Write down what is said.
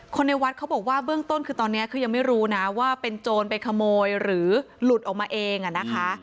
ในวัดเขาบอกว่าเบื้องต้นคือตอนนี้คือยังไม่รู้นะว่าเป็นโจรไปขโมยหรือหลุดออกมาเองนะคะ